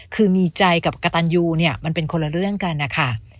คือมีใจกับกระตันยูเนี่ยมันเป็นคนละเรื่องกันนะคะ